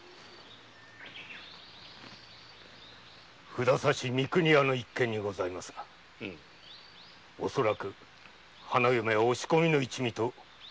札差・三国屋の一件にございますが恐らく花嫁は押し込みの一味とグルではあるまいかと。